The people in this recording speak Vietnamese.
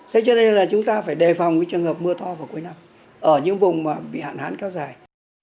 thế cho nên là chúng ta phải đề phòng cái trường hợp mưa to vào cuối năm ở những vùng mà bị hạn hán kéo dài